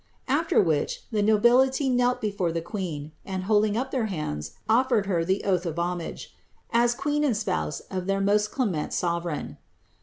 After which, the nobility knelt before the queen, and, holding up their hands, oflered her the oath of homage, *^ as queen and spouse of their most clement sovereign."